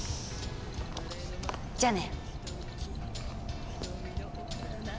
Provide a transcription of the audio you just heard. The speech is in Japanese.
じゃあね。